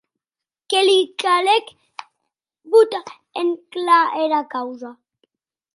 Que li calec botar en clar era causa.